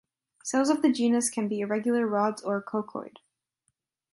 Cells of the genus can be irregular rods or coccoid.